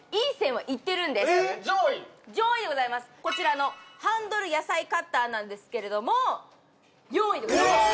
上位でございますこちらのハンドル野菜カッターなんですけれども４位でございます